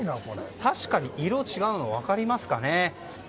確かに、色が違うの分かりますかね。